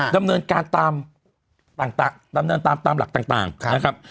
ดำเนินการตามต่างตามหลักต่างนะครับ